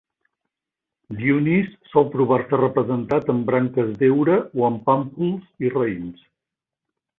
Dionís sol trobar-se representat amb branques d'heura o amb pàmpols i raïms.